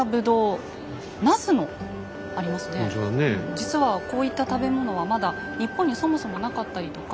実はこういった食べ物はまだ日本にそもそもなかったりとか。